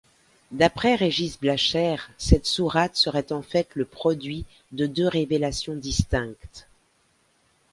D'après Régis Blachère, cette sourate serait en fait le produit de deux révélations distinctes.